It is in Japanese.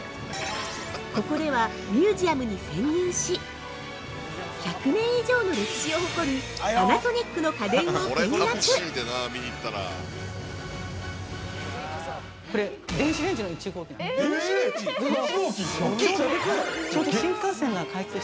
ここでは、ミュージアムに潜入し、１００年以上の歴史を誇るパナソニックの家電を見学◆これ、電子レンジの１号機なんです。